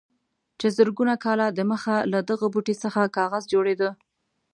چې زرګونه کاله دمخه له دغه بوټي څخه کاغذ جوړېده.